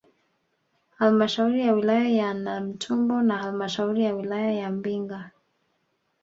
Halmashauri ya wilaya ya Namtumbo na halmashauri ya wilaya ya Mbinga